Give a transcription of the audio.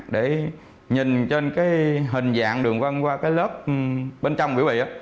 để nhìn trên cái hình dạng đường con qua cái lớp bên trong biểu bị